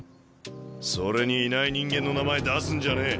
それにいない人間の名前出すんじゃねえ。